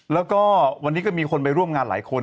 แล้วก็วันนี้ก็มีคนไปร่วมงานหลายคน